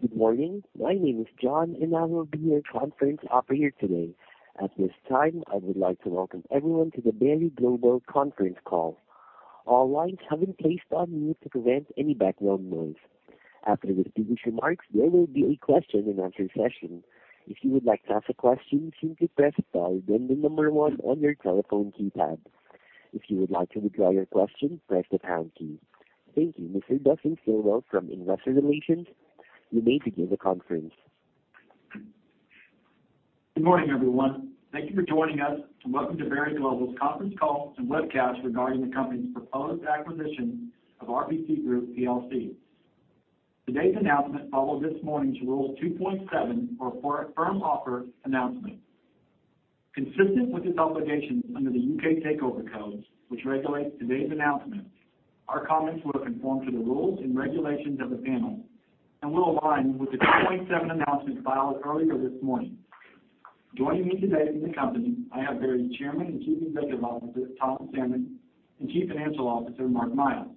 Good morning. My name is John. I will be your conference operator today. At this time, I would like to welcome everyone to the Berry Global conference call. All lines have been placed on mute to prevent any background noise. After the completed remarks, there will be a question and answer session. If you would like to ask a question, simply press star, then 1 on your telephone keypad. If you would like to withdraw your question, press the pound key. Thank you. Mr. Dustin Stilwell from Investor Relations, you may begin the conference. Good morning, everyone. Thank you for joining us. Welcome to Berry Global's conference call and webcast regarding the company's proposed acquisition of RPC Group Plc. Today's announcement follows this morning's Rule 2.7 for a firm offer announcement. Consistent with its obligations under the U.K. Takeover Code, which regulates today's announcement, our comments will conform to the rules and regulations of the panel and will align with the 2.7 announcement filed earlier this morning. Joining me today from the company, I have Berry's Chairman and Chief Executive Officer, Tom Salmon, and Chief Financial Officer, Mark Miles.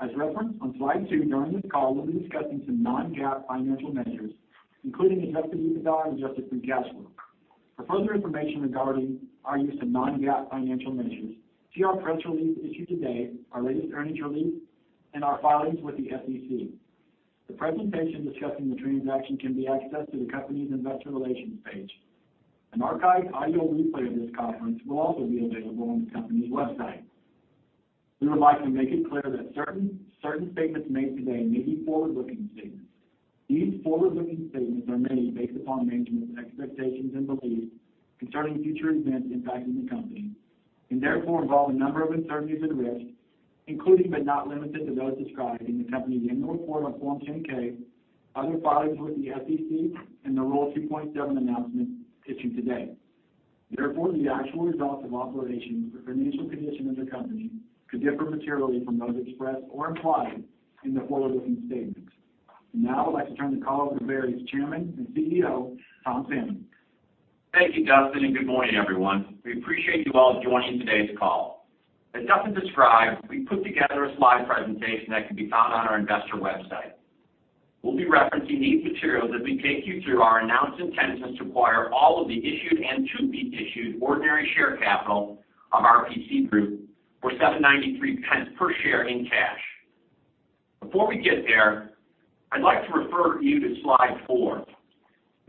As referenced on slide two, during this call we'll be discussing some non-GAAP financial measures, including adjusted EBITDA and adjusted free cash flow. For further information regarding our use of non-GAAP financial measures, see our press release issued today, our latest earnings release, and our filings with the SEC. The presentation discussing the transaction can be accessed through the company's investor relations page. An archived audio replay of this conference will also be available on the company's website. We would like to make it clear that certain statements made today may be forward-looking statements. These forward-looking statements are made based upon management's expectations and beliefs concerning future events impacting the company. Therefore, involve a number of uncertainties and risks, including but not limited to those described in the company's annual report on Form 10-K, other filings with the SEC, and the Rule 2.7 announcement issued today. Therefore, the actual results of operations or financial condition of the company could differ materially from those expressed or implied in the forward-looking statements. Now, I'd like to turn the call over to Berry's Chairman and CEO, Tom Salmon. Thank you, Dustin. Good morning, everyone. We appreciate you all joining today's call. As Dustin described, we put together a slide presentation that can be found on our investor website. We'll be referencing these materials as we take you through our announced intentions to acquire all of the issued and to-be-issued ordinary share capital of RPC Group for 7.93 per share in cash. Before we get there, I'd like to refer you to slide four.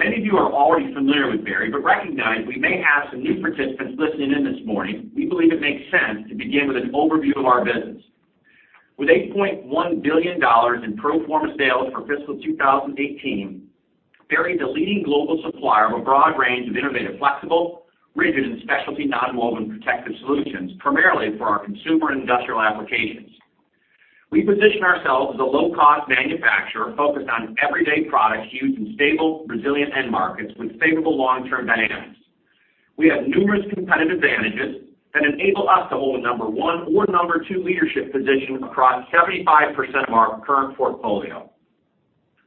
Many of you are already familiar with Berry. Recognize we may have some new participants listening in this morning. With $8.1 billion in pro forma sales for fiscal 2018, Berry is a leading global supplier of a broad range of innovative, flexible, rigid, and specialty nonwoven protective solutions, primarily for our consumer and industrial applications. We position ourselves as a low-cost manufacturer focused on everyday products used in stable, resilient end markets with favorable long-term dynamics. We have numerous competitive advantages that enable us to hold a number one or number two leadership position across 75% of our current portfolio.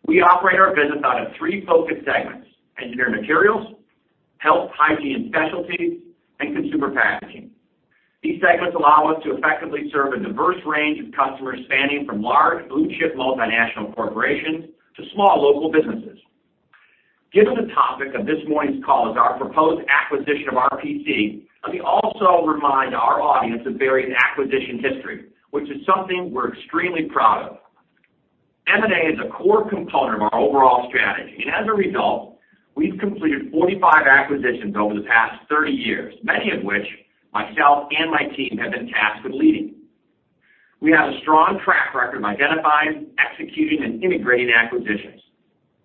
We operate our business out of three focused segments: Engineered Materials, Health, Hygiene & Specialties, and Consumer Packaging. These segments allow us to effectively serve a diverse range of customers, spanning from large blue-chip multinational corporations to small local businesses. Given the topic of this morning's call is our proposed acquisition of RPC, let me also remind our audience of Berry's acquisition history, which is something we're extremely proud of. M&A is a core component of our overall strategy. As a result, we've completed 45 acquisitions over the past 30 years, many of which myself and my team have been tasked with leading. We have a strong track record of identifying, executing, and integrating acquisitions.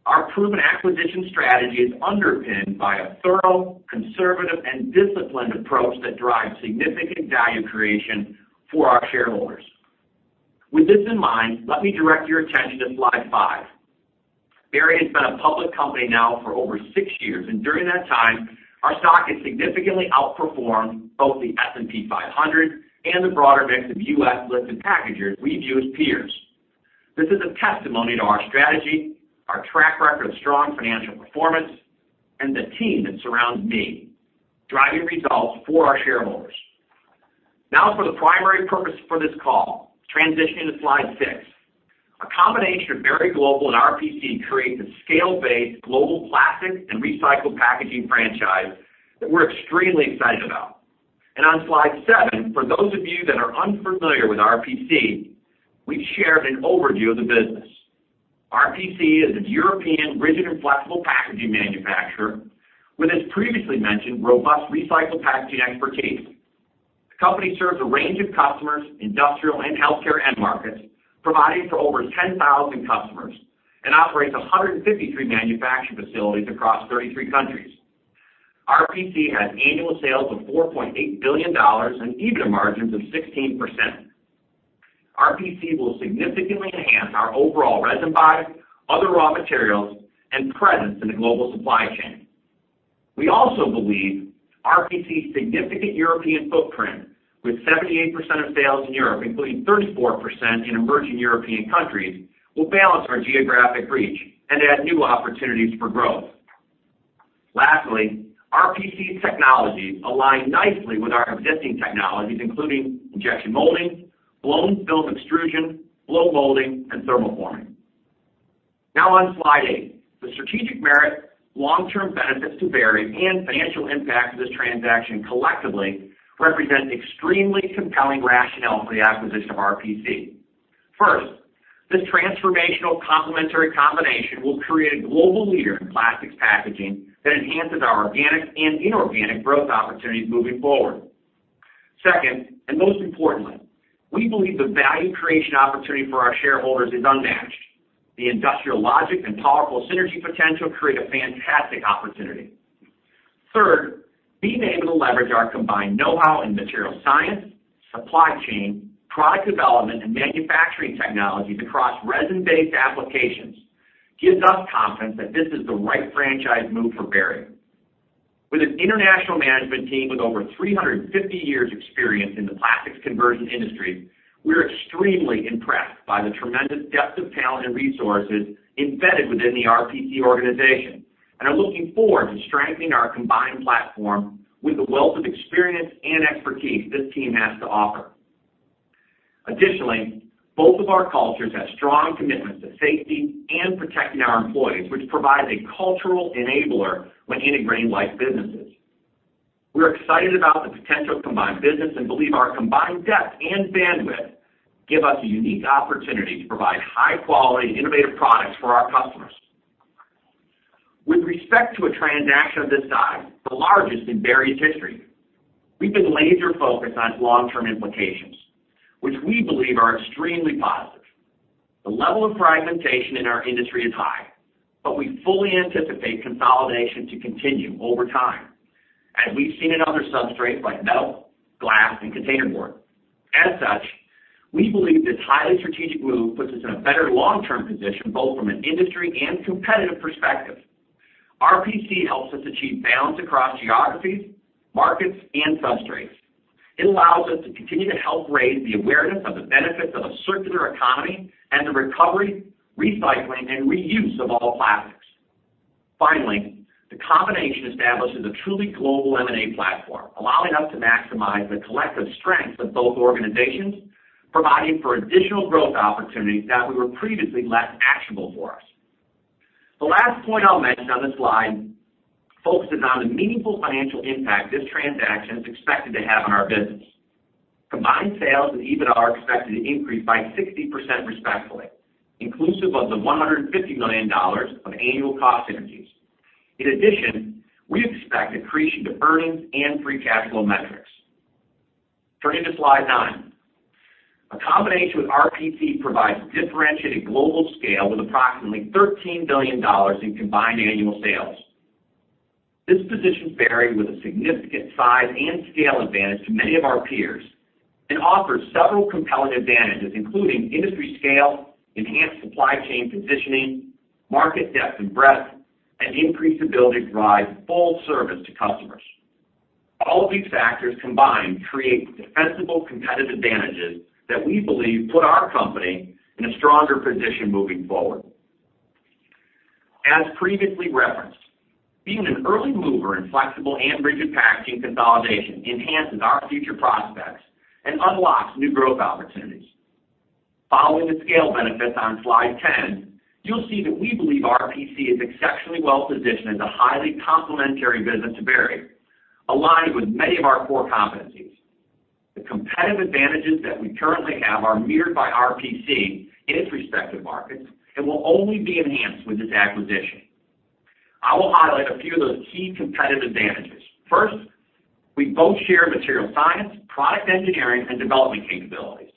Our proven acquisition strategy is underpinned by a thorough, conservative, and disciplined approach that drives significant value creation for our shareholders. With this in mind, let me direct your attention to slide five. Berry has been a public company now for over six years, and during that time, our stock has significantly outperformed both the S&P 500 and the broader mix of U.S.-listed packagers we view as peers. This is a testimony to our strategy, our track record of strong financial performance, and the team that surrounds me driving results for our shareholders. Now, for the primary purpose for this call, transitioning to slide six. A combination of Berry Global and RPC creates a scale-based global plastics and recycled packaging franchise that we're extremely excited about. On slide seven, for those of you that are unfamiliar with RPC, we've shared an overview of the business. RPC is a European rigid and flexible packaging manufacturer with its previously mentioned robust recycled packaging expertise. The company serves a range of customers, industrial and healthcare end markets, providing for over 10,000 customers and operates 153 manufacturing facilities across 33 countries. RPC has annual sales of $4.8 billion and EBITDA margins of 16%. RPC will significantly enhance our overall resin buys, other raw materials, and presence in the global supply chain. We also believe RPC's significant European footprint with 78% of sales in Europe, including 34% in emerging European countries, will balance our geographic reach and add new opportunities for growth. Lastly, RPC's technologies align nicely with our existing technologies, including injection molding, blown film extrusion, blow molding, and thermoforming. On slide eight, the strategic merit, long-term benefits to Berry, and financial impact of this transaction collectively represent extremely compelling rationale for the acquisition of RPC. First, this transformational complementary combination will create a global leader in plastics packaging that enhances our organic and inorganic growth opportunities moving forward. Second, most importantly, we believe the value creation opportunity for our shareholders is unmatched. The industrial logic and powerful synergy potential create a fantastic opportunity. Third, being able to leverage our combined knowhow in material science, supply chain, product development, and manufacturing technologies across resin-based applications gives us confidence that this is the right franchise move for Berry. With an international management team with over 350 years experience in the plastics conversion industry, we're extremely impressed by the tremendous depth of talent and resources embedded within the RPC organization and are looking forward to strengthening our combined platform with the wealth of experience and expertise this team has to offer. Additionally, both of our cultures have strong commitments to safety and protecting our employees, which provides a cultural enabler when integrating like businesses. We're excited about the potential of the combined business and believe our combined depth and bandwidth give us a unique opportunity to provide high-quality, innovative products for our customers. With respect to a transaction of this size, the largest in Berry's history, we've been laser-focused on long-term implications, which we believe are extremely positive. The level of fragmentation in our industry is high, but we fully anticipate consolidation to continue over time, as we've seen in other substrates like metal, glass, and container board. As such, we believe this highly strategic move puts us in a better long-term position, both from an industry and competitive perspective. RPC helps us achieve balance across geographies, markets, and substrates. It allows us to continue to help raise the awareness of the benefits of a circular economy and the recovery, recycling, and reuse of all plastics. Finally, the combination establishes a truly global M&A platform, allowing us to maximize the collective strengths of both organizations, providing for additional growth opportunities that were previously less actionable for us. The last point I'll mention on this slide focuses on the meaningful financial impact this transaction is expected to have on our business. Combined sales and EBIT are expected to increase by 60% respectfully, inclusive of the $150 million of annual cost synergies. In addition, we expect accretion to earnings and free cash flow metrics. Turning to slide nine. A combination with RPC provides differentiated global scale with approximately $13 billion in combined annual sales. This positions Berry with a significant size and scale advantage to many of our peers. It offers several compelling advantages, including industry scale, enhanced supply chain positioning, market depth and breadth, and increased ability to provide full service to customers. All of these factors combined create defensible competitive advantages that we believe put our company in a stronger position moving forward. As previously referenced, being an early mover in flexible and rigid packaging consolidation enhances our future prospects and unlocks new growth opportunities. Following the scale benefits on slide 10, you'll see that we believe RPC is exceptionally well-positioned as a highly complementary business to Berry, aligned with many of our core competencies. The competitive advantages that we currently have are mirrored by RPC in its respective markets and will only be enhanced with this acquisition. I will highlight a few of those key competitive advantages. First, we both share material science, product engineering, and development capabilities.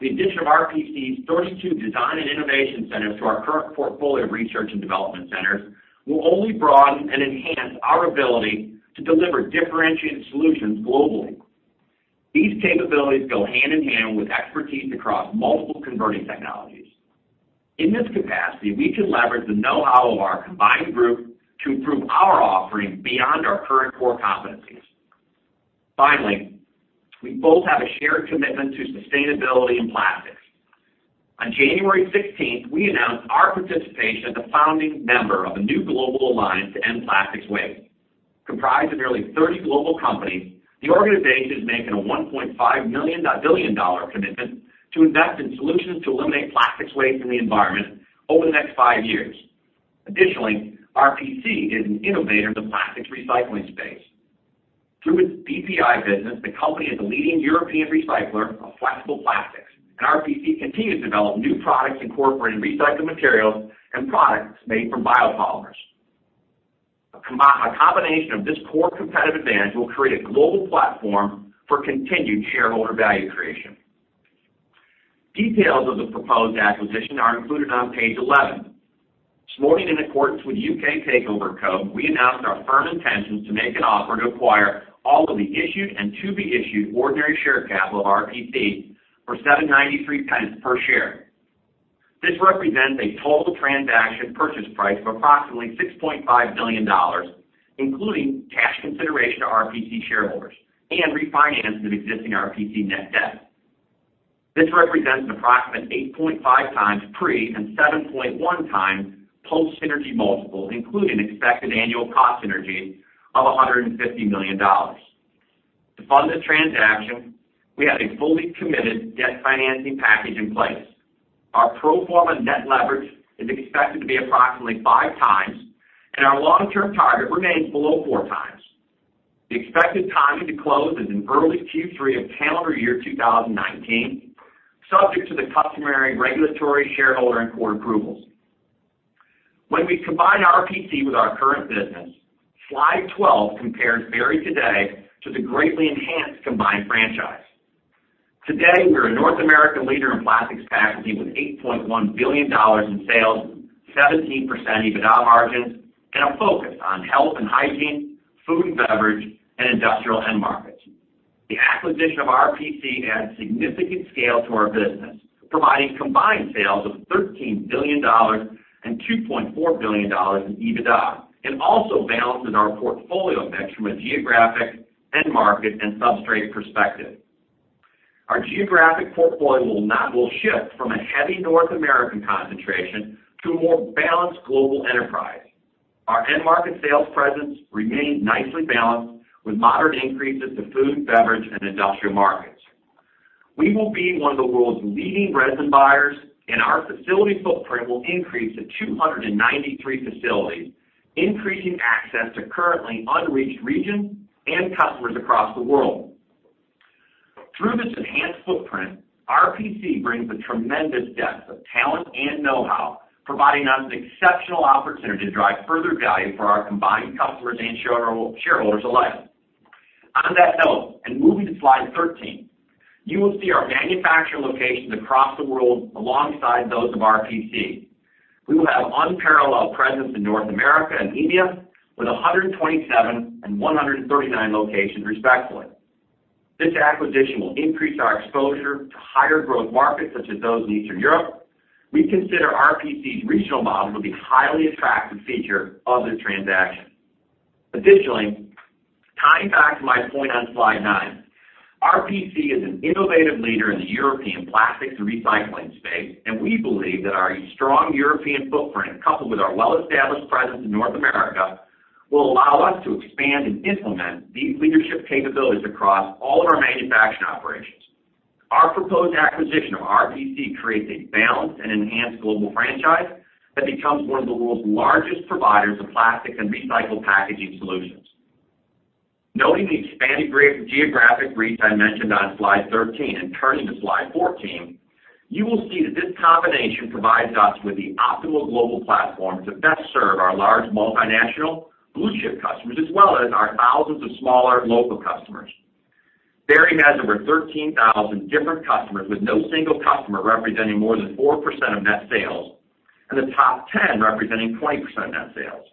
The addition of RPC's 32 design and innovation centers to our current portfolio of research and development centers will only broaden and enhance our ability to deliver differentiated solutions globally. These capabilities go hand in hand with expertise across multiple converting technologies. In this capacity, we can leverage the know-how of our combined group to improve our offerings beyond our current core competencies. Finally, we both have a shared commitment to sustainability and plastics. On January 16th, we announced our participation as a founding member of a new global Alliance to End Plastic Waste. Comprised of nearly 30 global companies, the organization is making a $1.5 billion commitment to invest in solutions to eliminate plastics waste in the environment over the next five years. Additionally, RPC is an innovator in the plastics recycling space. Through its PPI business, the company is a leading European recycler of flexible plastics, and RPC continues to develop new products incorporating recycled materials and products made from biopolymers. A combination of this core competitive advantage will create a global platform for continued shareholder value creation. Details of the proposed acquisition are included on page 11. This morning, in accordance with UK Takeover Code, we announced our firm intentions to make an offer to acquire all of the issued and to be issued ordinary share capital of RPC for 7.93 per share. This represents a total transaction purchase price of approximately $6.5 billion, including cash consideration to RPC shareholders and refinancing of existing RPC net debt. This represents an approximate 8.5x pre and 7.1x post synergy multiples, including expected annual cost synergies of $150 million. To fund this transaction, we have a fully committed debt financing package in place. Our pro forma net leverage is expected to be approximately five times, and our long-term target remains below four times. The expected timing to close is in early Q3 of calendar year 2019, subject to the customary regulatory shareholder and court approvals. When we combine RPC with our current business, slide 12 compares Berry today to the greatly enhanced combined franchise. Today, we are a North American leader in plastics packaging with $8.1 billion in sales, 17% EBITDA margins, and a focus on health and hygiene, food and beverage, and industrial end markets. The acquisition of RPC adds significant scale to our business, providing combined sales of $13 billion and $2.4 billion in EBITDA, and also balances our portfolio mix from a geographic, end market, and substrate perspective. Our geographic portfolio will shift from a heavy North American concentration to a more balanced global enterprise. Our end market sales presence remains nicely balanced, with moderate increases to food and beverage and industrial markets. We will be one of the world's leading resin buyers, our facility footprint will increase to 293 facilities, increasing access to currently unreached regions and customers across the world. Through this enhanced footprint, RPC brings a tremendous depth of talent and know-how, providing us an exceptional opportunity to drive further value for our combined customers and shareholders alike. On that note, moving to slide 13, you will see our manufacturing locations across the world alongside those of RPC. We will have unparalleled presence in North America and India with 127 and 139 locations, respectively. This acquisition will increase our exposure to higher growth markets such as those in Eastern Europe. We consider RPC's regional model to be a highly attractive feature of this transaction. Additionally, tying back to my point on slide nine, RPC is an innovative leader in the European plastics recycling space. We believe that our strong European footprint, coupled with our well-established presence in North America, will allow us to expand and implement these leadership capabilities across all of our manufacturing operations. Our proposed acquisition of RPC creates a balanced and enhanced global franchise that becomes one of the world's largest providers of plastics and recycled packaging solutions. Noting the expanded geographic reach I mentioned on slide 13 and turning to slide 14, you will see that this combination provides us with the optimal global platform to best serve our large multinational blue-chip customers, as well as our thousands of smaller local customers. Berry has over 13,000 different customers, with no single customer representing more than 4% of net sales, and the top 10 representing 20% of net sales.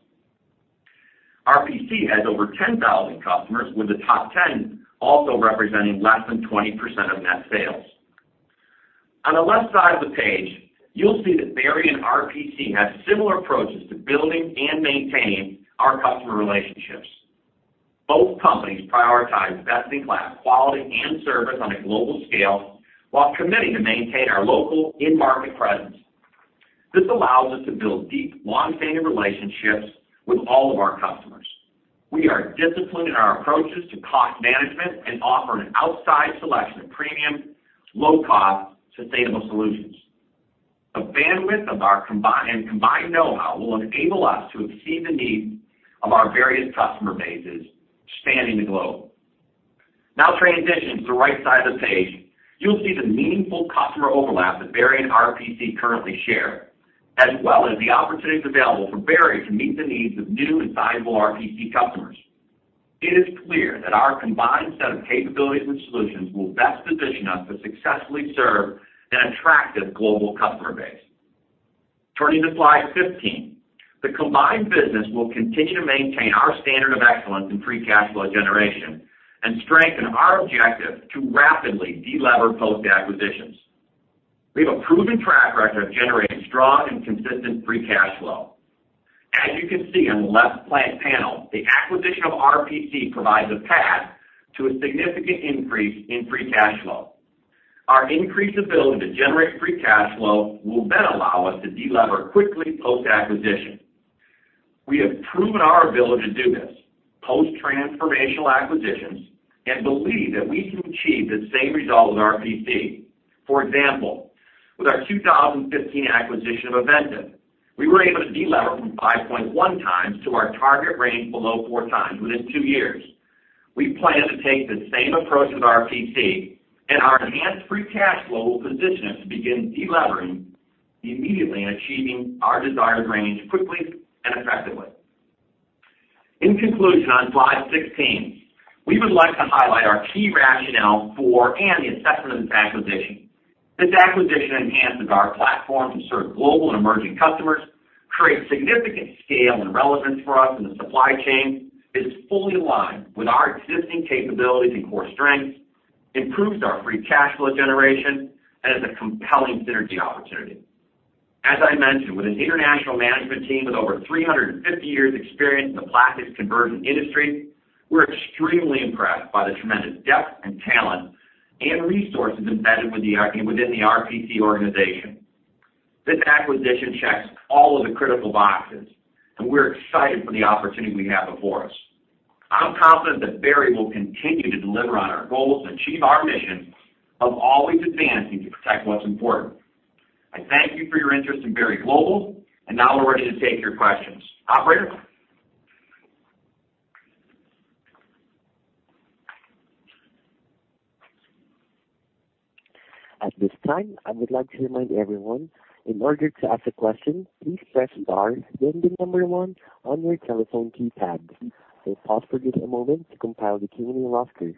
RPC has over 10,000 customers, with the top 10 also representing less than 20% of net sales. On the left side of the page, you'll see that Berry and RPC have similar approaches to building and maintaining our customer relationships. Both companies prioritize best-in-class quality and service on a global scale while committing to maintain our local end market presence. This allows us to build deep, longstanding relationships with all of our customers. We are disciplined in our approaches to cost management and offer an outstanding selection of premium, low-cost, sustainable solutions. The bandwidth and combined know-how will enable us to exceed the needs of our various customer bases spanning the globe. Transitioning to the right side of the page, you'll see the meaningful customer overlap that Berry and RPC currently share, as well as the opportunities available for Berry to meet the needs of new and sizable RPC customers. It is clear that our combined set of capabilities and solutions will best position us to successfully serve an attractive global customer base. Turning to slide 15, the combined business will continue to maintain our standard of excellence in free cash flow generation and strengthen our objective to rapidly delever post-acquisitions. We have a proven track record of generating strong and consistent free cash flow. As you can see on the left panel, the acquisition of RPC provides a path to a significant increase in free cash flow. Our increased ability to generate free cash flow will allow us to delever quickly post-acquisition. We have proven our ability to do this post transformational acquisitions and believe that we can achieve the same result with RPC. For example, with our 2015 acquisition of Avintiv, we were able to delever from 5.1 times to our target range below four times within two years. We plan to take the same approach with RPC. Our enhanced free cash flow will position us to begin delevering immediately and achieving our desired range quickly and effectively. In conclusion, on slide 16, we would like to highlight our key rationale for and the assessment of this acquisition. This acquisition enhances our platform to serve global and emerging customers, creates significant scale and relevance for us in the supply chain, is fully aligned with our existing capabilities and core strengths, improves our free cash flow generation, and is a compelling synergy opportunity. As I mentioned, with an international management team with over 350 years’ experience in the plastics conversion industry, we're extremely impressed by the tremendous depth in talent and resources embedded within the RPC organization. This acquisition checks all of the critical boxes, and we're excited for the opportunity we have before us. I'm confident that Berry will continue to deliver on our goals and achieve our mission of always advancing to protect what's important. I thank you for your interest in Berry Global, and now we're ready to take your questions. Operator? At this time, I would like to remind everyone, in order to ask a question, please press star, then the number one on your telephone keypad. I'll pause for just a moment to compile the queue in the roster.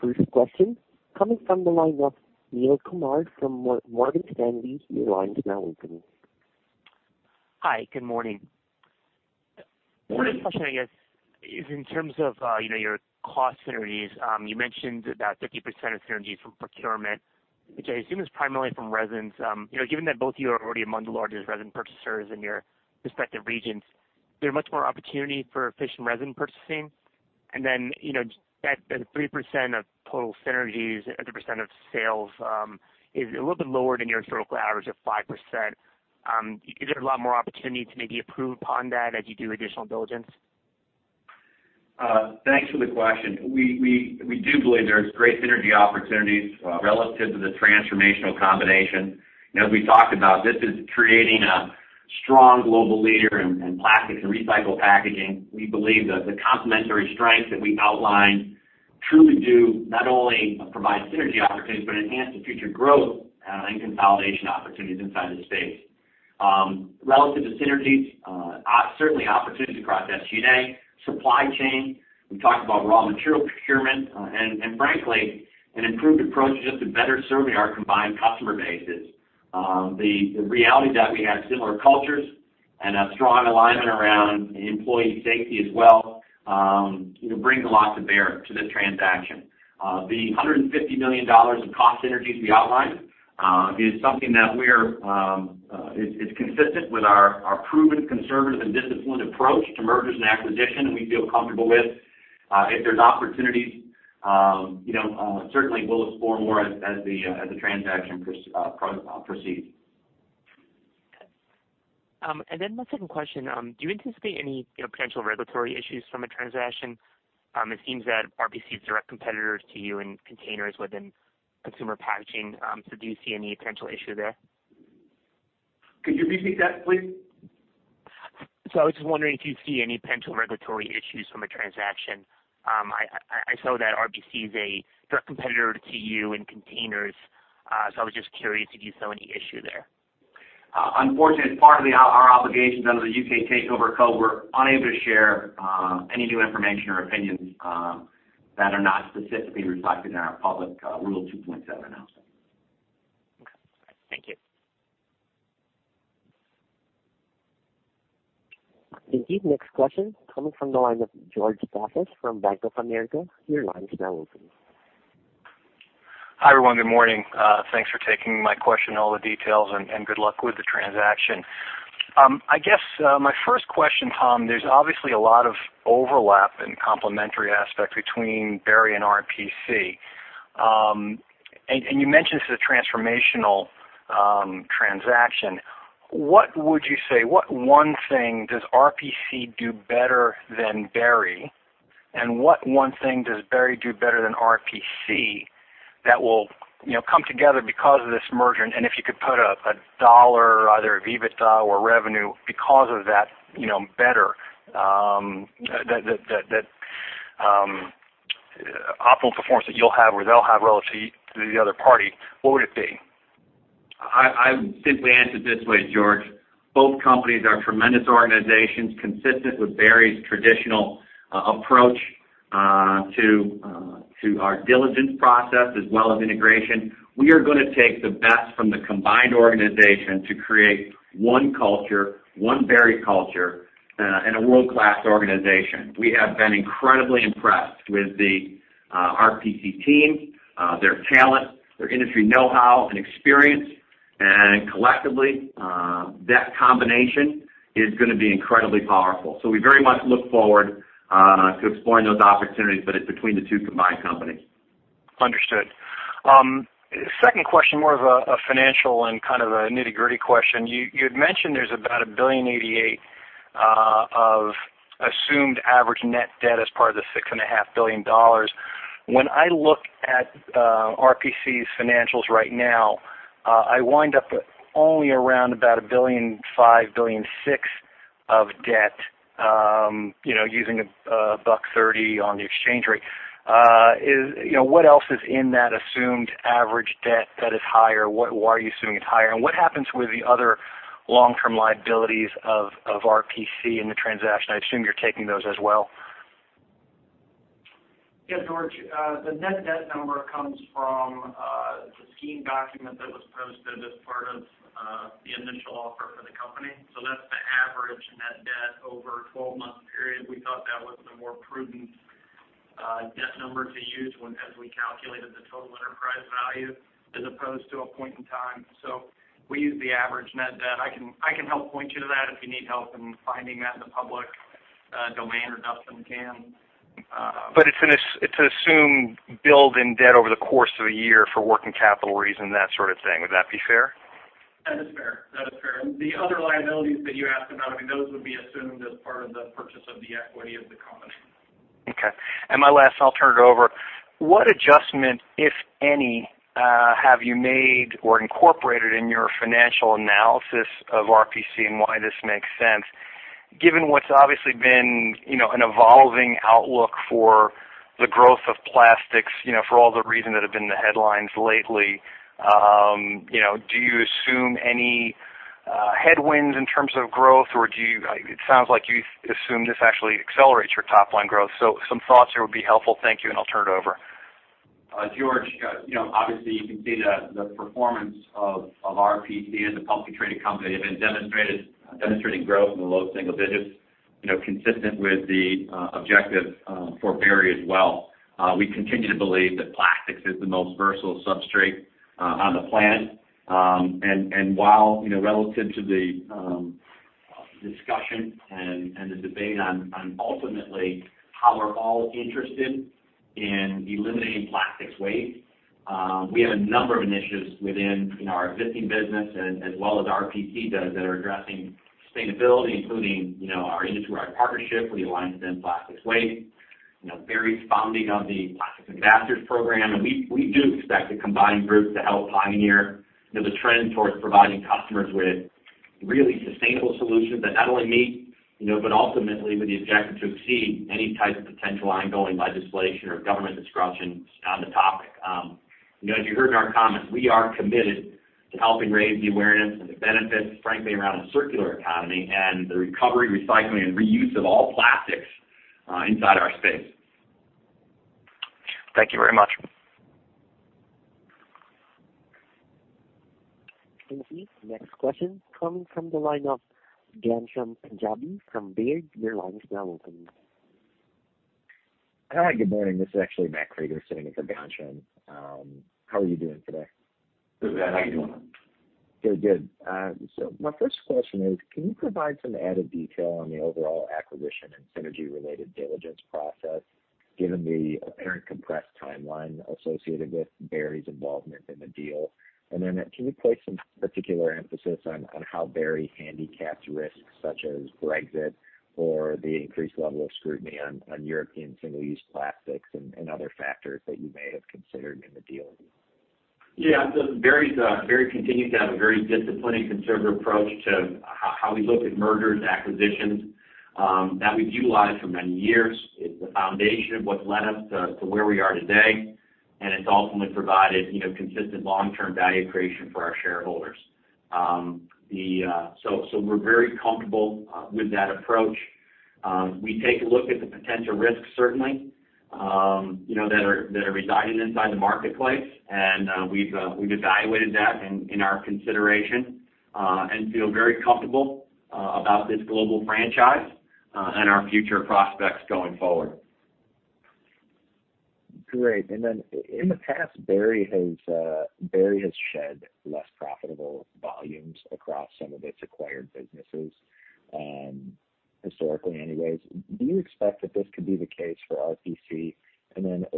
First question coming from the line of Neel Kumar from Morgan Stanley. Your line is now open. Hi. Good morning. Morning. First question, I guess, is in terms of your cost synergies. You mentioned about 30% of synergies from procurement, which I assume is primarily from resins. Given that both you are already among the largest resin purchasers in your respective regions, is there much more opportunity for efficient resin purchasing? That 3% of total synergies as a percent of sales is a little bit lower than your historical average of 5%. Is there a lot more opportunity to maybe improve upon that as you do additional diligence? Thanks for the question. We do believe there's great synergy opportunities relative to the transformational combination. As we talked about, this is creating a strong global leader in plastics and recycled packaging. We believe that the complementary strengths that we've outlined truly do not only provide synergy opportunities, but enhance the future growth and consolidation opportunities inside the space. Relative to synergies, certainly opportunity across SG&A, supply chain. We talked about raw material procurement, and frankly, an improved approach is just to better serving our combined customer bases. The reality is that we have similar cultures and a strong alignment around employee safety as well brings a lot to bear to this transaction. The $150 million of cost synergies we outlined is consistent with our proven conservative and disciplined approach to mergers and acquisition, and we feel comfortable with. If there's opportunities, certainly we'll explore more as the transaction proceeds. My second question, do you anticipate any potential regulatory issues from the transaction? It seems that RPC is a direct competitor to you in containers within Consumer Packaging. Do you see any potential issue there? Could you repeat that, please? I was just wondering if you see any potential regulatory issues from the transaction. I saw that RPC is a direct competitor to you in containers. I was just curious if you saw any issue there. Unfortunately, as part of our obligations under the UK Takeover Code, we're unable to share any new information or opinions that are not specifically reflected in our public Rule 2.7 announcement. Okay. Thank you. Indeed. Next question coming from the line of George Staphos from Bank of America. Your line is now open. Hi, everyone. Good morning. Thanks for taking my question and all the details, and good luck with the transaction. I guess, my first question, Tom, there's obviously a lot of overlap and complementary aspect between Berry and RPC. You mentioned it's a transformational transaction. What would you say, what one thing does RPC do better than Berry, and what one thing does Berry do better than RPC that will come together because of this merger? If you could put a dollar, either EBITDA or revenue because of that better optimal performance that you'll have or they'll have relative to the other party, what would it be? I would simply answer it this way, George. Both companies are tremendous organizations consistent with Berry's traditional approach to our diligence process as well as integration. We are going to take the best from the combined organization to create one culture, one Berry culture, and a world-class organization. We have been incredibly impressed with the RPC team, their talent, their industry know-how, and experience. Collectively, that combination is going to be incredibly powerful. We very much look forward to exploring those opportunities that is between the two combined companies. Understood. Second question, more of a financial and kind of a nitty-gritty question. You had mentioned there's about $1.88 billion of assumed average net debt as part of the $6.5 billion. When I look at RPC's financials right now, I wind up with only around about $1.5 billion, $1.6 billion of debt, using a buck thirty on the exchange rate. What else is in that assumed average debt that is higher? Why are you assuming it's higher? What happens with the other long-term liabilities of RPC in the transaction? I assume you're taking those as well. Yeah, George. The net debt number comes from the scheme document that was posted as part of the initial offer for the company. That's the average net debt over a 12-month period, we thought that was the more prudent debt number to use as we calculated the total enterprise value as opposed to a point in time. We used the average net debt. I can help point you to that if you need help in finding that in the public domain, or Dustin can. It's an assumed build in debt over the course of a year for working capital reason, that sort of thing. Would that be fair? That is fair. The other liabilities that you asked about, those would be assumed as part of the purchase of the equity of the company. My last, I'll turn it over. What adjustment, if any, have you made or incorporated in your financial analysis of RPC and why this makes sense, given what's obviously been an evolving outlook for the growth of plastics, for all the reasons that have been in the headlines lately? Do you assume any headwinds in terms of growth? It sounds like you assume this actually accelerates your top-line growth. Some thoughts here would be helpful. Thank you, and I'll turn it over. George, obviously you can see the performance of RPC as a publicly traded company. They've been demonstrating growth in the low single digits, consistent with the objective for Berry as well. We continue to believe that plastics is the most versatile substrate on the planet. While relative to the discussion and the debate on ultimately how we're all interested in eliminating plastics waste, we have a number of initiatives within our existing business as well as RPC does that are addressing sustainability, including our industry wide partnership with the Alliance to End Plastic Waste, Berry's founding of the Plastic Ambassadors Program, and we do expect the combined groups to help pioneer the trend towards providing customers with really sustainable solutions that not only meet, but ultimately with the objective to exceed any type of potential ongoing legislation or government disruptions on the topic. As you heard in our comments, we are committed to helping raise the awareness and the benefits, frankly, around a circular economy and the recovery, recycling, and reuse of all plastics inside our space. Thank you very much. Thank you. Next question coming from the line of Ghansham Panjabi from Baird. Your line is now open. Hi. Good morning. This is actually Matthew Krueger sitting in for Ghansham. How are you doing today? Hey, Matt. How you doing? My first question is, can you provide some added detail on the overall acquisition and synergy related diligence process, given the apparent compressed timeline associated with Berry's involvement in the deal? Can you place some particular emphasis on how Berry handicaps risks such as Brexit or the increased level of scrutiny on European single-use plastics and other factors that you may have considered in the deal? Yeah. Berry continues to have a very disciplined and conservative approach to how we look at mergers, acquisitions. That we've utilized for many years. It's the foundation of what's led us to where we are today, and it's ultimately provided consistent long-term value creation for our shareholders. We're very comfortable with that approach. We take a look at the potential risks, certainly, that are residing inside the marketplace, and we've evaluated that in our consideration, and feel very comfortable about this global franchise, and our future prospects going forward. Great. In the past, Berry has shed less profitable volumes across some of its acquired businesses, historically anyways. Do you expect that this could be the case for RPC?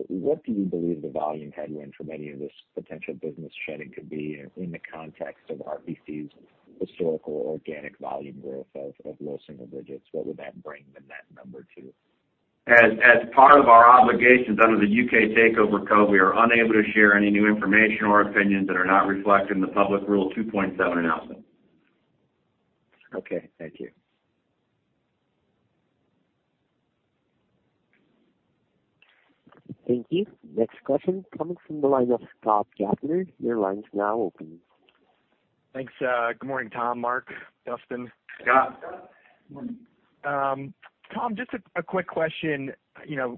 What do you believe the volume headwind from any of this potential business shedding could be in the context of RPC's historical organic volume growth of low single digits? What would that bring the net number to? As part of our obligations under the UK Takeover Code, we are unable to share any new information or opinions that are not reflected in the public Rule 2.7 announcement. Okay. Thank you. Thank you. Next question coming from the line of Scott Chapman. Your line is now open. Thanks. Good morning, Tom, Mark, Dustin. Scott. Tom, just a quick question.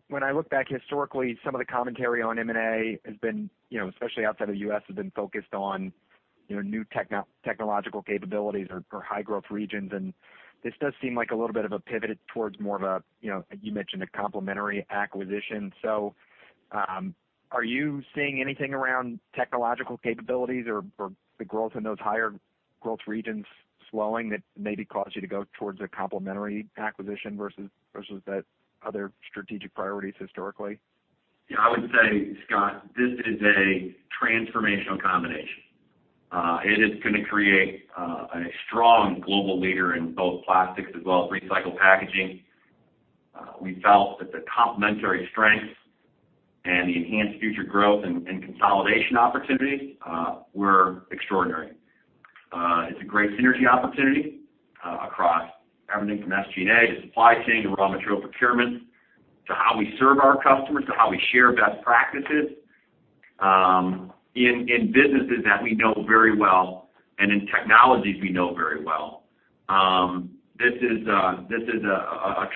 When I look back historically, some of the commentary on M&A, especially outside of the U.S., has been focused on new technological capabilities or high growth regions. This does seem like a little bit of a pivot towards more of a, you mentioned a complementary acquisition. Are you seeing anything around technological capabilities or the growth in those higher growth regions slowing that maybe caused you to go towards a complementary acquisition versus the other strategic priorities historically? Yeah. I would say, Scott, this is a transformational combination. It is going to create a strong global leader in both plastics as well as recycled packaging. We felt that the complementary strengths and the enhanced future growth and consolidation opportunities were extraordinary. It's a great synergy opportunity across everything from SG&A to supply chain to raw material procurement to how we serve our customers to how we share best practices in businesses that we know very well and in technologies we know very well. This is a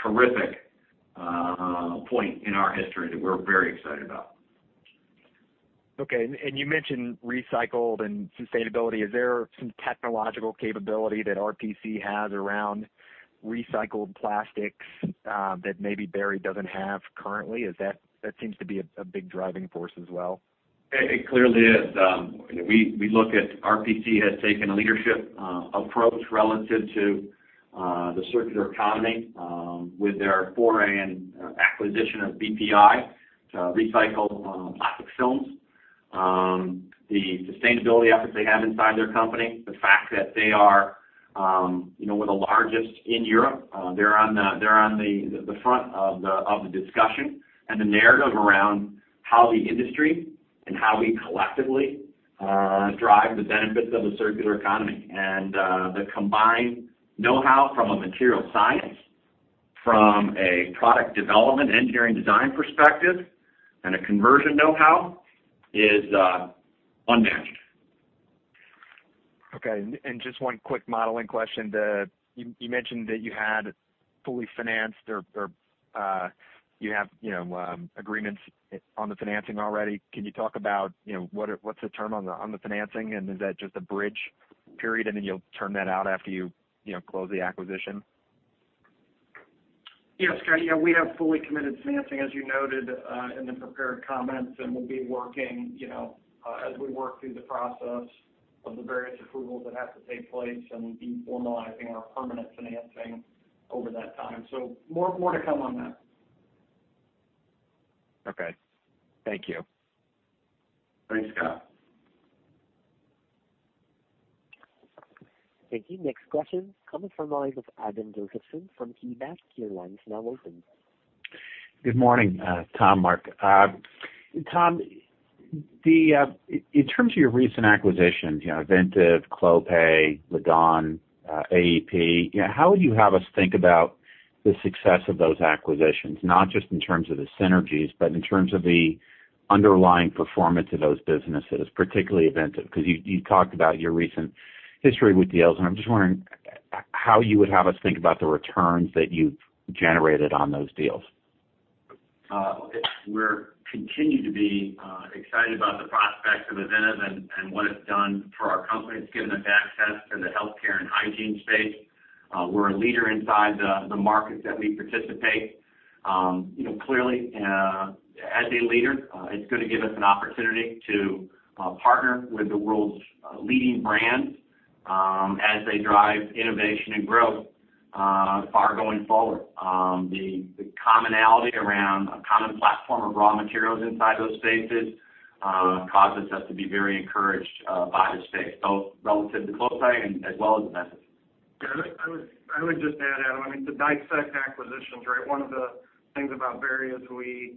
terrific point in our history that we're very excited about. Okay. You mentioned recycled and sustainability. Is there some technological capability that RPC has around recycled plastics that maybe Berry doesn't have currently? That seems to be a big driving force as well. It clearly is. We look at RPC has taken a leadership approach relative to the circular economy with their foray and acquisition of BPI to recycle plastic films. The sustainability efforts they have inside their company, the fact that they are one of the largest in Europe, they're on the front of the discussion and the narrative around how the industry and how we collectively drive the benefits of a circular economy. The combined know-how from a material science, from a product development engineering design perspective, and a conversion know-how is unmatched. Okay. Just one quick modeling question. You mentioned that you had fully financed or you have agreements on the financing already. Can you talk about what's the term on the financing, and is that just a bridge period, and then you'll turn that out after you close the acquisition? Yes, Scott. Yeah, we have fully committed financing as you noted in the prepared comments, and we'll be working as we work through the process of the various approvals that have to take place and be formalizing our permanent financing over that time. More to come on that. Okay. Thank you. Thanks, Scott. Thank you. Next question comes from the line of Adam Josephson from KeyBanc. Your line is now open. Good morning Tom, Mark. Tom, in terms of your recent acquisitions, Avintiv, Clopay, Laddawn, AEP, how would you have us think about the success of those acquisitions, not just in terms of the synergies, but in terms of the underlying performance of those businesses, particularly Avintiv? I'm just wondering how you would have us think about the returns that you've generated on those deals. We continue to be excited about the prospects of Avintiv and what it's done for our company. It's given us access to the healthcare and hygiene space. We're a leader inside the markets that we participate. Clearly as a leader, it's going to give us an opportunity to partner with the world's leading brands as they drive innovation and growth far going forward. The commonality around a common platform of raw materials inside those spaces causes us to be very encouraged by the space, both relative to Clopay as well as Avintiv. I would just add, Adam, to dissect acquisitions, one of the things about Berry is we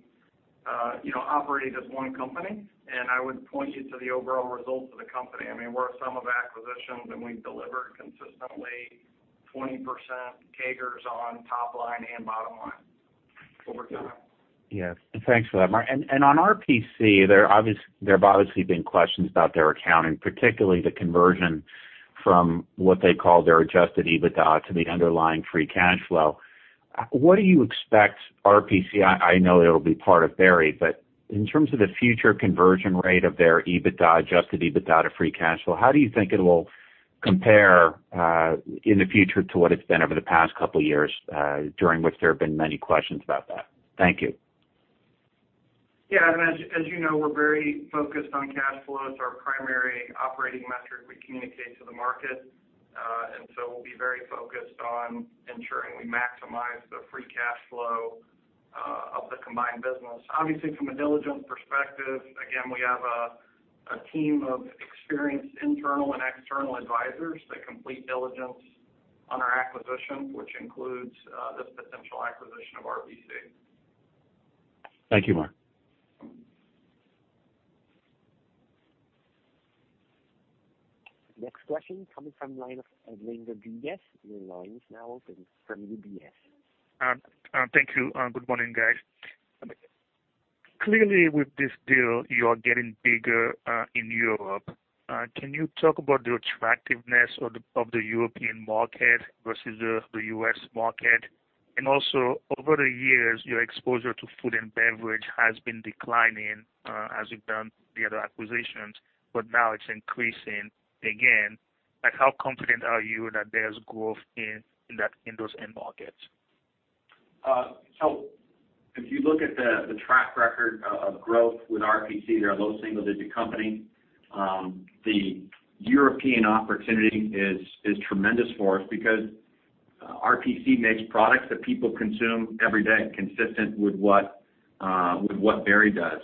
operate as one company, and I would point you to the overall results of the company. We're a sum of acquisitions, and we've delivered consistently 20% CAGRs on top line and bottom line over time. Yes. Thanks for that, Mark. On RPC, there have obviously been questions about their accounting, particularly the conversion from what they call their adjusted EBITDA to the underlying free cash flow. What do you expect RPC, I know it'll be part of Berry, but in terms of the future conversion rate of their EBITDA, adjusted EBITDA to free cash flow, how do you think it'll compare in the future to what it's been over the past couple of years, during which there have been many questions about that? Thank you. As you know, we're very focused on cash flow. It's our primary operating metric we communicate to the market. So we'll be very focused on ensuring we maximize the free cash flow of the combined business. Obviously, from a diligence perspective, again, we have a team of experienced internal and external advisors that complete diligence on our acquisitions, which includes this potential acquisition of RPC. Thank you, Mark. Next question coming from line of Edlinger. [inaudible] Your line is now open from UBS. Thank you. Good morning, guys. Clearly with this deal, you are getting bigger in Europe. Can you talk about the attractiveness of the European market versus the U.S. market? Also over the years, your exposure to food and beverage has been declining as you've done the other acquisitions, but now it's increasing again. How confident are you that there's growth in those end markets? If you look at the track record of growth with RPC, they're a low single-digit company. The European opportunity is tremendous for us because RPC makes products that people consume every day consistent with what Berry does.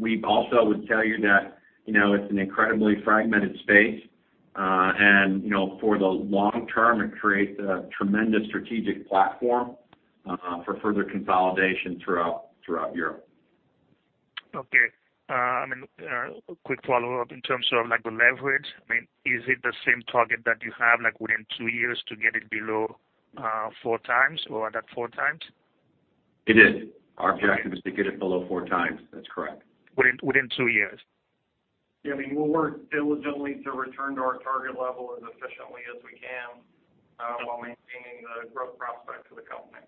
We also would tell you that it's an incredibly fragmented space, for the long term, it creates a tremendous strategic platform for further consolidation throughout Europe. Okay. A quick follow-up in terms of the leverage. Is it the same target that you have within two years to get it below four times, or at four times? It is. Our objective is to get it below four times. That's correct. Within two years? Yeah, we'll work diligently to return to our target level as efficiently as we can, while maintaining the growth prospects of the company.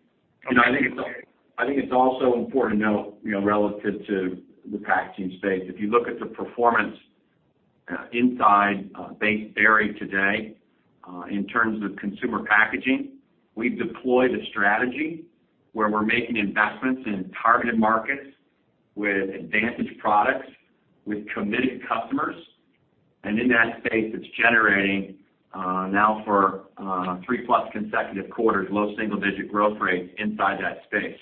I think it's also important to note, relative to the packaging space, if you look at the performance inside base Berry today, in terms of Consumer Packaging, we've deployed a strategy where we're making investments in targeted markets with advantage products, with committed customers. In that space, it's generating, now for three-plus consecutive quarters, low single-digit growth rates inside that space.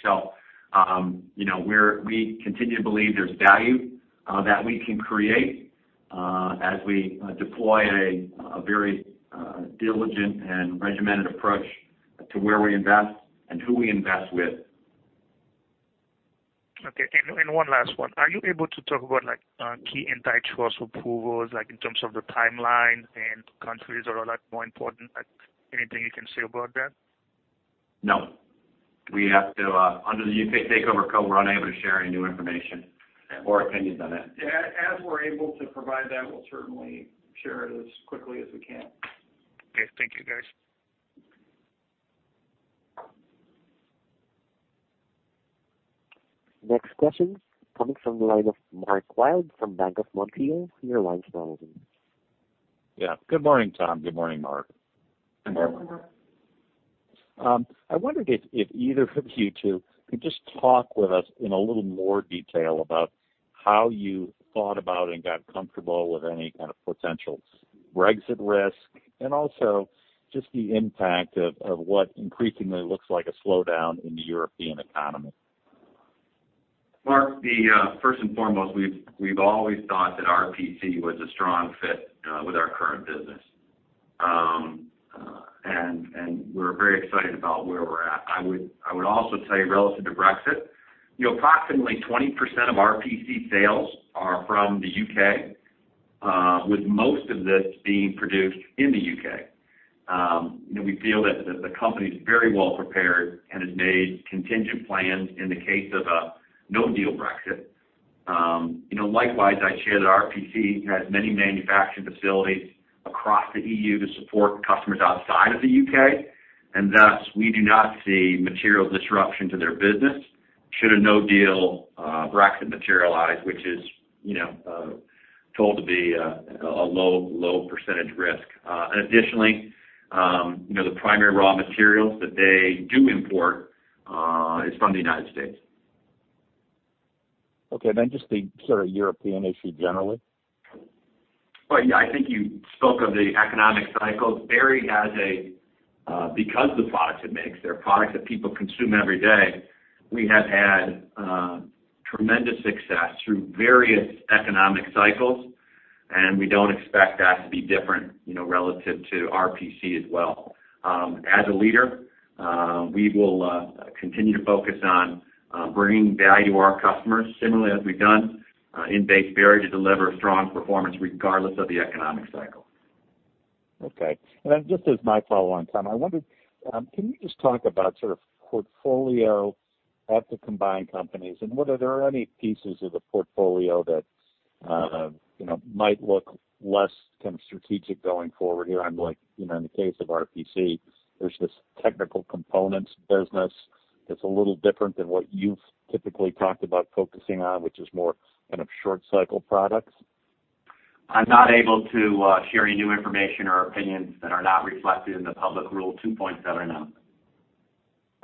We continue to believe there's value that we can create, as we deploy a very diligent and regimented approach to where we invest and who we invest with. Okay. One last one. Are you able to talk about key antitrust approvals, in terms of the timeline and countries that are more important? Anything you can say about that? No. Under the UK Takeover Code, we're unable to share any new information or opinions on it. As we're able to provide that, we'll certainly share it as quickly as we can. Okay. Thank you, guys. Next question comes from the line of Mark Wilde from BMO Capital Markets. Your line is now open. Yeah. Good morning, Tom. Good morning, Mark. Good morning. I wondered if either of you two could just talk with us in a little more detail about how you thought about and got comfortable with any kind of potential Brexit risk, and also just the impact of what increasingly looks like a slowdown in the European economy. Mark, first and foremost, we've always thought that RPC was a strong fit with our current business. We're very excited about where we're at. I would also say relative to Brexit, approximately 20% of RPC sales are from the U.K., with most of this being produced in the U.K. We feel that the company's very well prepared and has made contingent plans in the case of a no-deal Brexit. Likewise, I'd share that RPC has many manufacturing facilities across the EU to support customers outside of the U.K., and thus, we do not see material disruption to their business should a no-deal Brexit materialize, which is told to be a low percentage risk. Additionally, the primary raw materials that they do import is from the United States. Okay, just the sort of European issue generally? Well, yeah, I think you spoke of the economic cycles. Berry, because the products it makes, they're products that people consume every day, we have had tremendous success through various economic cycles, and we don't expect that to be different relative to RPC as well. As a leader, we will continue to focus on bringing value to our customers, similarly as we've done in base Berry, to deliver a strong performance regardless of the economic cycle. Okay. Just as my follow-on, Tom, can you just talk about sort of portfolio at the combined companies, and are there any pieces of the portfolio that might look less strategic going forward here? In the case of RPC, there's this technical components business that's a little different than what you've typically talked about focusing on, which is more short cycle products. I'm not able to share any new information or opinions that are not reflected in the public Rule 2.7 announcement.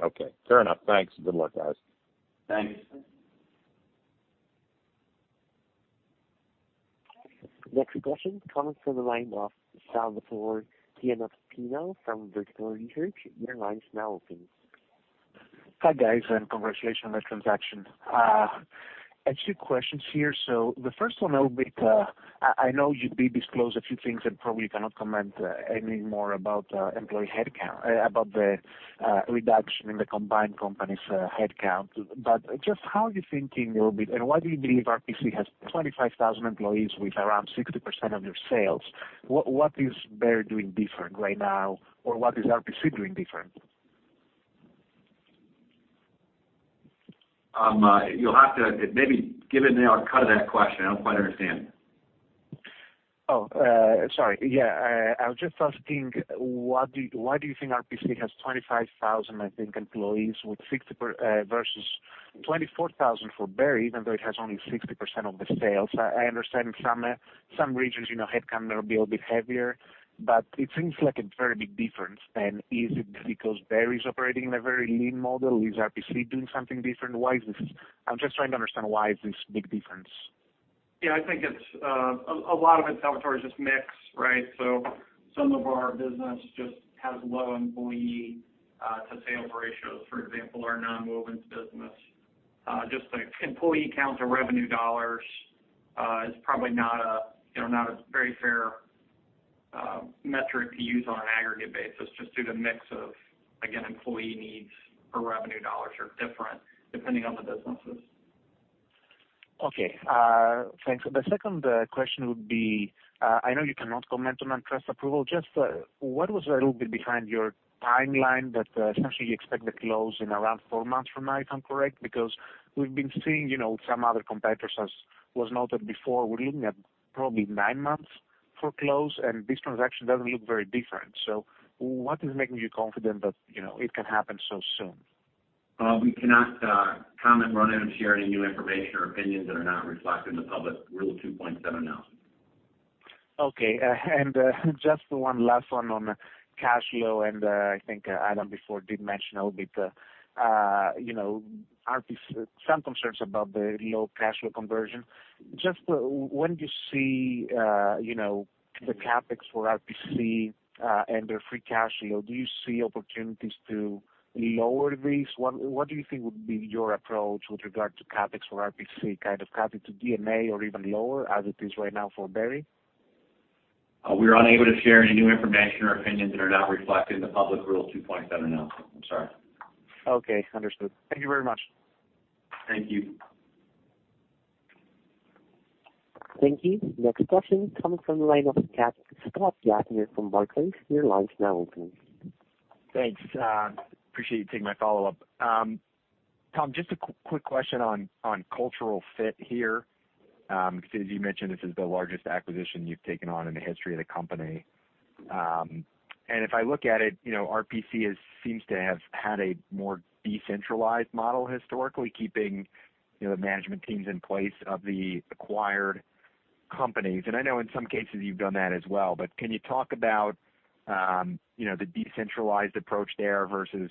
Okay, fair enough. Thanks, and good luck, guys. Thanks. Next question comes from the line of Salvatore Pianopino from Vertical Research. Your line is now open. Hi, guys, congratulations on the transaction. I have two questions here. The first one, I know you did disclose a few things and probably cannot comment any more about the reduction in the combined company's headcount. But just how are you thinking a little bit, and why do you believe RPC has 25,000 employees with around 60% of your sales? What is Berry doing different right now, or what is RPC doing different? Maybe give it another cut of that question. I don't quite understand. Oh, sorry. Yeah. I was just asking why do you think RPC has 25,000, I think, employees versus 24,000 for Berry, even though it has only 60% of the sales. I understand some regions, headcount may be a bit heavier, but it seems like a very big difference. Is it because Berry's operating in a very lean model? Is RPC doing something different? I'm just trying to understand why it's this big difference. Yeah, I think a lot of it, Salvatore, is just mix, right? Some of our business just has low employee to sales ratios. For example, our nonwovens business. Just like employee count to revenue dollars is probably not a very fair metric to use on an aggregate basis just due to mix of, again, employee needs per revenue dollars are different depending on the businesses. Okay. Thanks. The second question would be, I know you cannot comment on antitrust approval. Just what was a little bit behind your timeline that essentially you expect the close in around four months from now, if I'm correct? Because we've been seeing some other competitors, as was noted before, we're looking at probably nine months. For close, this transaction doesn't look very different. What is making you confident that it can happen so soon? We cannot commentor share any new information or opinions that are not reflected in the public Rule 2.7 note. Okay. Just one last one on cash flow, I think Adam before did mention a little bit, some concerns about the low cash flow conversion. Just when do you see the CapEx for RPC and their free cash flow, do you see opportunities to lower this? What do you think would be your approach with regard to CapEx for RPC, kind of cut it to D&A or even lower as it is right now for Berry? We are unable to share any new information or opinions that are not reflected in the public Rule 2.7 note. I'm sorry. Okay. Understood. Thank you very much. Thank you. Thank you. Next question comes from the line of Scott Jeline from Barclays. Your line's now open. Thanks. Appreciate you taking my follow-up. Tom, just a quick question on cultural fit here. As you mentioned, this is the largest acquisition you've taken on in the history of the company. If I look at it, RPC seems to have had a more decentralized model historically, keeping the management teams in place of the acquired companies. I know in some cases you've done that as well. Can you talk about the decentralized approach there versus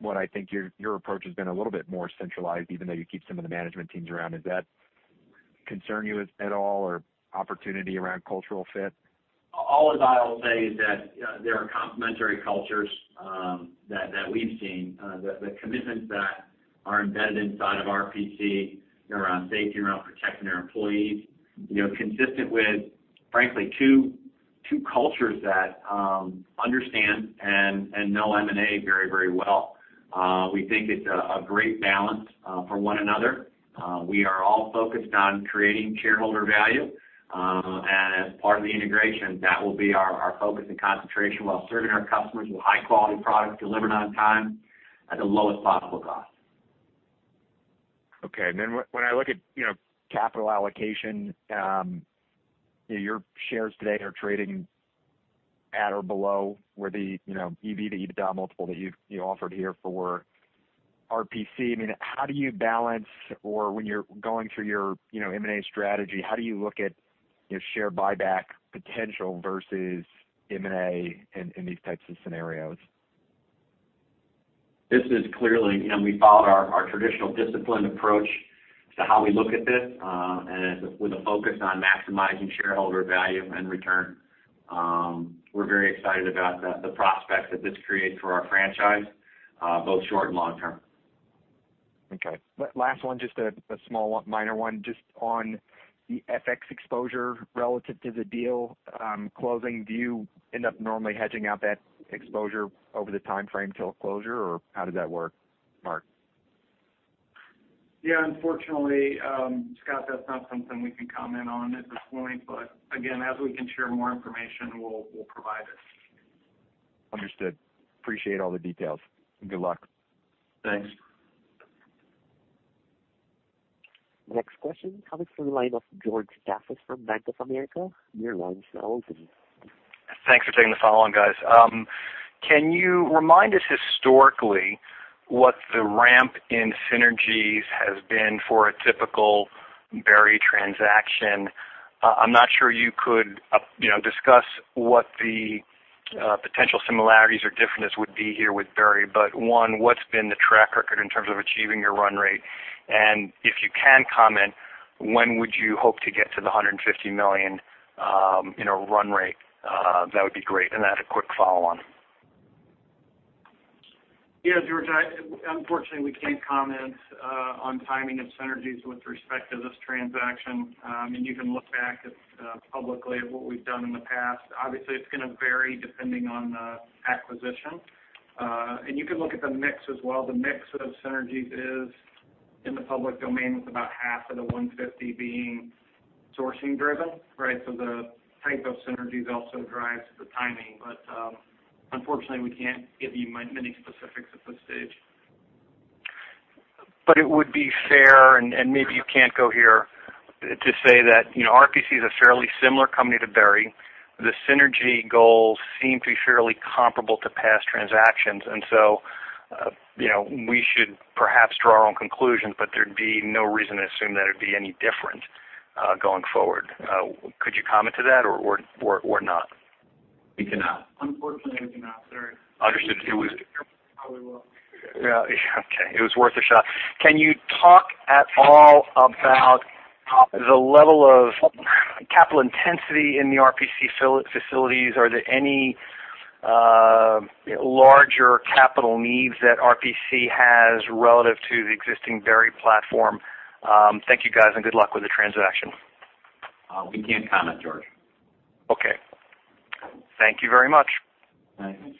what I think your approach has been a little bit more centralized, even though you keep some of the management teams around? Does that concern you at all, or opportunity around cultural fit? All I'll say is that there are complementary cultures that we've seen. The commitments that are embedded inside of RPC around safety, around protecting their employees, consistent with, frankly, two cultures that understand and know M&A very, very well. We think it's a great balance for one another. We are all focused on creating shareholder value. As part of the integration, that will be our focus and concentration while serving our customers with high-quality products delivered on time at the lowest possible cost. Okay. When I look at capital allocation, your shares today are trading at or below where the EV to EBITDA multiple that you offered here for RPC. How do you balance, or when you're going through your M&A strategy, how do you look at your share buyback potential versus M&A in these types of scenarios? We followed our traditional disciplined approach to how we look at this. With a focus on maximizing shareholder value and return. We're very excited about the prospects that this creates for our franchise, both short and long term. Okay. Last one, just a small one, minor one. Just on the FX exposure relative to the deal closing. Do you end up normally hedging out that exposure over the timeframe till closure, or how does that work? Mark. Yeah, unfortunately, Scott, that's not something we can comment on at this point, again, as we can share more information, we'll provide it. Understood. Appreciate all the details, good luck. Thanks. Next question coming from the line of George Staphos from Bank of America. Your line's now open. Thanks for taking the follow on, guys. Can you remind us historically what the ramp in synergies has been for a typical Berry transaction? I'm not sure you could discuss what the potential similarities or differences would be here with Berry, but one, what's been the track record in terms of achieving your run rate? If you can comment, when would you hope to get to the $150 million in a run rate? That would be great. I had a quick follow on. Yeah, George, unfortunately, we can't comment on timing of synergies with respect to this transaction. You can look back at publicly at what we've done in the past. Obviously, it's going to vary depending on the acquisition. You can look at the mix as well. The mix of synergies is in the public domain, with about half of the $150 being sourcing driven. The type of synergies also drives the timing. Unfortunately, we can't give you many specifics at this stage. It would be fair, and maybe you can't go here, to say that RPC is a fairly similar company to Berry. The synergy goals seem to be fairly comparable to past transactions. We should perhaps draw our own conclusions, but there'd be no reason to assume that it'd be any different going forward. Could you comment to that or not? We cannot. Unfortunately, we cannot, sir. Understood. Probably will. Yeah. Okay. It was worth a shot. Can you talk at all about the level of capital intensity in the RPC facilities? Are there any larger capital needs that RPC has relative to the existing Berry platform? Thank you guys, and good luck with the transaction. We can't comment, George. Okay. Thank you very much. Thanks.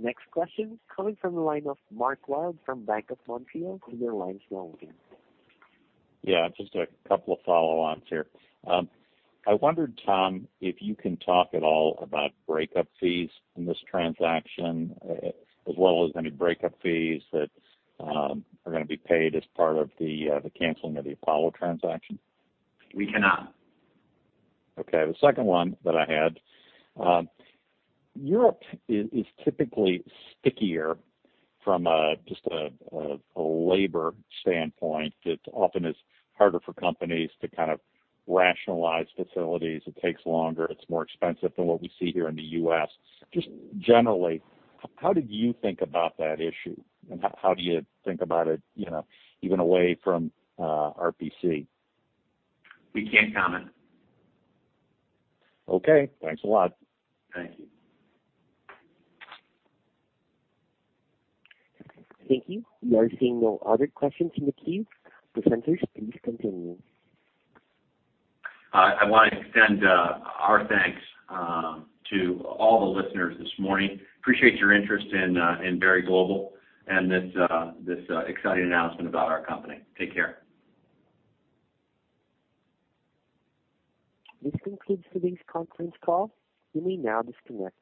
Next question coming from the line of Mark Wilde from BMO Capital Markets. Your line's now open. Yeah, just a couple of follow-ons here. I wondered, Tom, if you can talk at all about breakup fees in this transaction, as well as any breakup fees that are gonna be paid as part of the canceling of the Apollo transaction. We cannot. Okay. The second one that I had. Europe is typically stickier from just a labor standpoint. It often is harder for companies to kind of rationalize facilities. It takes longer. It's more expensive than what we see here in the U.S. Just generally, how did you think about that issue, and how do you think about it even away from RPC? We can't comment. Okay. Thanks a lot. Thank you. Thank you. We are seeing no other questions in the queue. Presenters, please continue. I want to extend our thanks to all the listeners this morning. Appreciate your interest in Berry Global and this exciting announcement about our company. Take care. This concludes today's conference call. You may now disconnect.